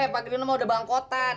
pak girino mah udah bangkotan